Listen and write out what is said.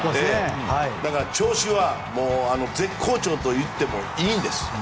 だから、調子は絶好調といってもいいんです。